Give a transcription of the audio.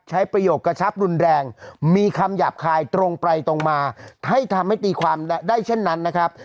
ประโยคกระชับรุนแรงมีคำหยาบคายตรงไปตรงมาให้ทำให้ตีความได้เช่นนั้นนะครับ